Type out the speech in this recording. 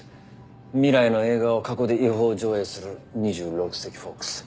未来の映画を過去で違法上映する２６世紀フォックス。